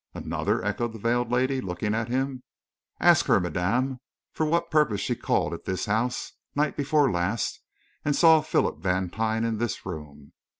"Another?" echoed the veiled lady, looking at him. "Ask her, madame, for what purpose she called at this house, night before last, and saw Philip Vantine in this room."